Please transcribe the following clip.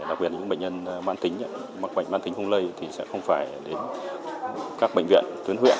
đặc biệt là những bệnh nhân mắc bệnh mát tính hung lây thì sẽ không phải đến các bệnh viện tuyến huyện